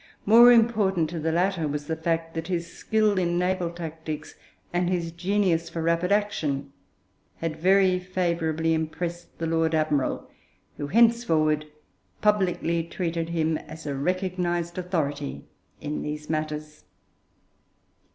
More important to the latter was the fact that his skill in naval tactics, and his genius for rapid action, had very favourably impressed the Lord Admiral, who henceforward publicly treated him as a recognised authority in these matters.